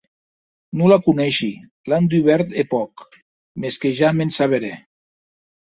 Non la coneishi; l’an dubèrt hè pòc; mès que ja m’en saberè.